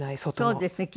そうですね。